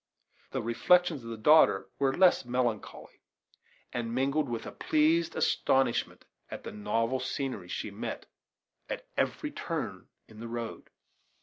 The reflections of the daughter were less melancholy, and mingled with a pleased astonishment at the novel scenery she met at every turn in the road.